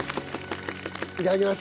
いただきます。